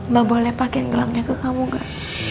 mbak boleh pakai gelangnya ke kamu gak